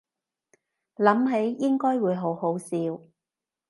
諗起應該會好好笑